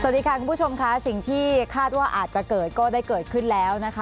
สวัสดีค่ะคุณผู้ชมค่ะสิ่งที่คาดว่าอาจจะเกิดก็ได้เกิดขึ้นแล้วนะคะ